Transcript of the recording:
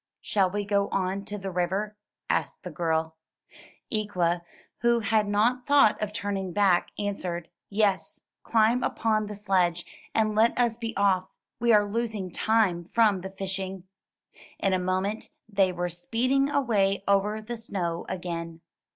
"Shall we go on to the river.f^" asked the girl. Ikwa, who had not thought of turning back, answered, "Yes; climb upon the sledge, and let us be off. We are losing time from the fishing." In a moment they were speeding away over the snow again.